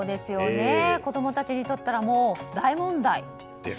子供たちにとったら大問題。